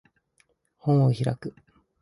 本を開く